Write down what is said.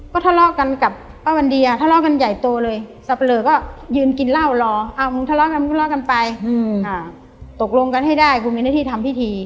ก็ทะเลาะกันกับป้าวันเดียทะเลาะกันใหญ่โตเลยสับปะเลอก็ยืนกินเหล้ารอมึงทะเลาะกันมึงทะเลาะกันไปตกลงกันให้ได้กูมีหน้าที่ทำพิธี